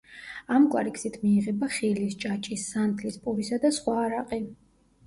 ამგვარი გზით მიიღება ხილის, ჭაჭის, სანთლის, პურისა და სხვა არაყი.